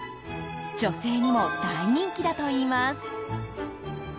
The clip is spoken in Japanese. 女性にも大人気だといいます。